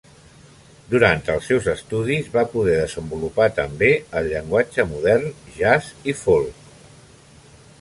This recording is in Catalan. Durant els seus estudis va poder desenvolupar també el llenguatge modern, jazz i folk.